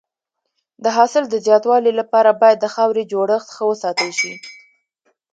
د حاصل د زیاتوالي لپاره باید د خاورې جوړښت ښه وساتل شي.